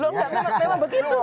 lo nggak memang memang begitu